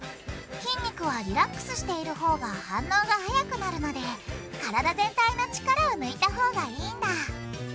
筋肉はリラックスしているほうが反応が速くなるので体全体の力を抜いたほうがいいんだ。